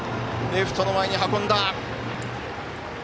レフトの前に運んだ。